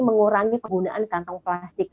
mengurangi penggunaan kantong plastik